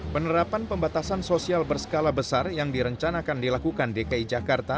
penerapan pembatasan sosial berskala besar yang direncanakan dilakukan dki jakarta